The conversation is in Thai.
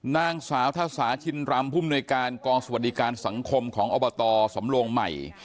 นางสาวทสาชินรำผู้มนวยการกองสวัสดิการสังคมของอบตสำโลงใหม่